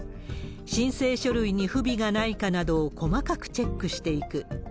申請書類に不備がないかなどを細かくチェックしていく。